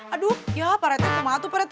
aduh ya pak rt aku mahal tuh pak rt